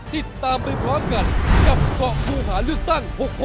ติดตามไปพร้อมกันกับเกาะผู้หาเลือกตั้ง